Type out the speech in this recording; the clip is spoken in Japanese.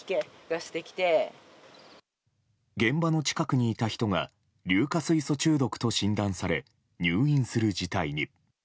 現場の近くにいた人が硫化水素中毒と診断され入院する事態に。